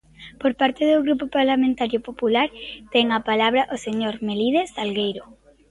Por parte do Grupo Parlamentario Popular, ten a palabra o señor Melide Salgueiro.